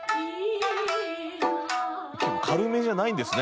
軽めじゃないんですね